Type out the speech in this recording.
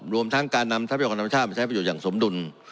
รวมทั้งการนำทรัพยากรธรรมชาติมาใช้ประโยชนอย่างสมดุล